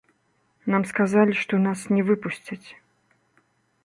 Нам сказалі, што нас не выпусцяць.